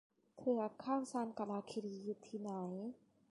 เทือกเขาสันกาลาคีรี อยู่ที่ไหน